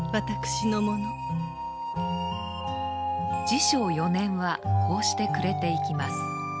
治承４年はこうして暮れていきます。